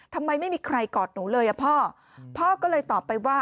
ทำไมไม่มีใครกอดหนูเลยอ่ะพ่อพ่อก็เลยตอบไปว่า